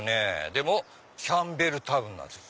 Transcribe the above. でもキャンベルタウンなんです。